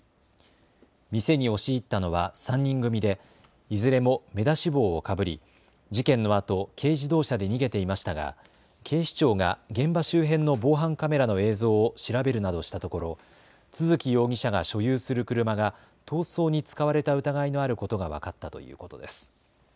店に押し入ったのは３人組でいずれも目出し帽をかぶり事件のあと軽自動車で逃げていましたが、警視庁が現場周辺の防犯カメラの映像を調べるなどしたところ都築容疑者が所有する車が逃走に使われた疑いのあることが分かったということです。